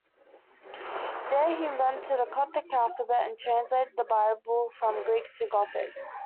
There, he invented the Gothic alphabet and translated the Bible from Greek to Gothic.